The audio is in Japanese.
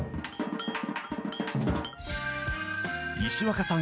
石若さん